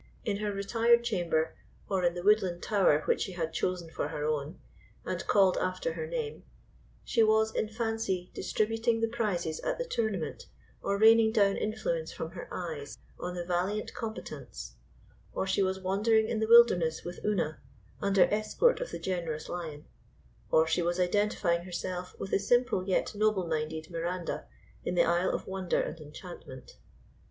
In her retired chamber, or in the woodland bower which she had chosen for her own, and called after her name, she was in fancy distributing the prizes at the tournament, or raining down influence from her eyes on the valiant combatants: or she was wandering in the wilderness with Una, under escort of the generous lion; or she was identifying herself with the simple yet noble minded Miranda in the isle of wonder and enchantment.